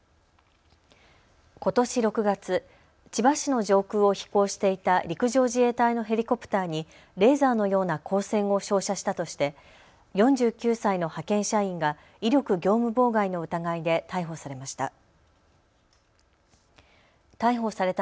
ことし６月、千葉市の上空を飛行していた陸上自衛隊のヘリコプターにレーザーのような光線を照射したとして４９歳の派遣社員が威力業務妨害の疑いで逮捕されました。